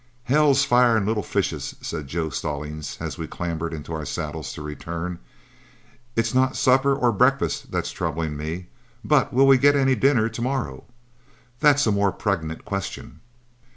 "Hell's fire and little fishes!" said Joe Stallings, as we clambered into our saddles to return, "it's not supper or breakfast that's troubling me, but will we get any dinner to morrow? That's a more pregnant question."